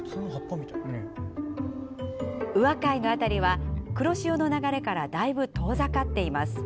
宇和海の辺りは黒潮の流れからだいぶ遠ざかっています。